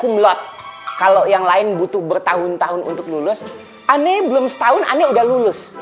umlot kalau yang lain butuh bertahun tahun untuk lulus aneh belum setahun ani udah lulus